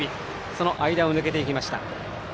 その間を抜けていきました。